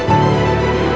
lo udah ngerti kan